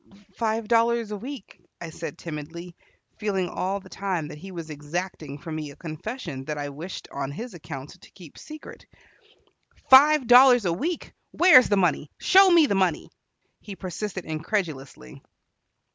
"Five dollars a week," I said timidly, feeling all the time that he was exacting from me a confession that I wished, on his account, to keep secret. "Five dollars a week! Where is the money? Show me the money!" he persisted incredulously.